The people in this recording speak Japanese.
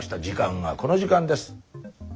時間がこの時間です。